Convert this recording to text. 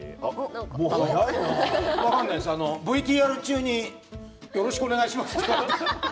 ＶＴＲ中によろしくお願いしますって。